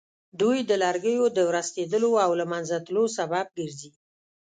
دوی د لرګیو د ورستېدلو او له منځه تلو سبب ګرځي.